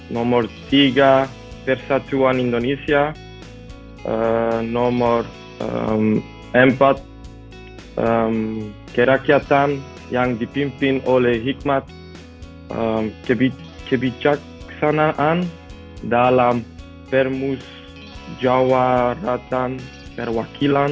nomor tiga persatuan indonesia nomor empat kerakyatan yang dipimpin oleh hikmat kebijaksanaan dalam permus jawaratan perwakilan